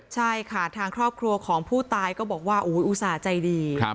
ใช่ค่ะทางครอบครัวของผู้ตายก็บอกว่าอุตส่าห์ใจดี